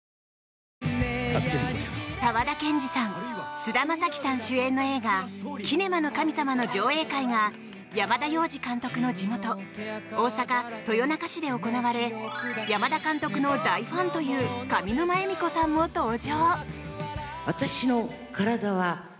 菅田将暉さん主演の映画「キネマの神様」の上映会が山田洋次監督の地元大阪・豊中市で行われ山田監督の大ファンという上沼恵美子さんも登場。